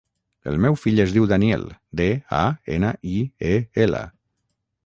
El meu fill es diu Daniel: de, a, ena, i, e, ela.